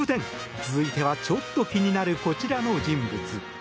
続いてはちょっと気になるこちらの人物。